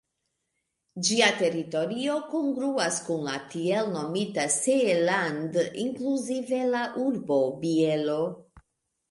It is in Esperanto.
Ĝia teritorio kongruas kun la tiel nomita Seeland inkluzive la urbo Bielo.